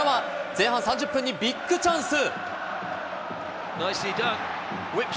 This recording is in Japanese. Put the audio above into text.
前半３０分にビッグチャンス。